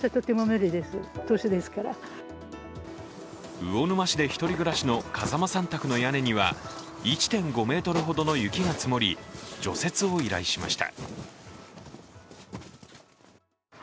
魚沼市でひとり暮らしの風間さん宅の屋根には１．５ｍほどの雪が積もり、除雪を依頼しました。